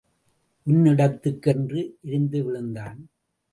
உன் இடத்துக்கு என்று எரிந்து விழுந்தான்.